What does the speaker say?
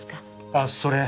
あっそれ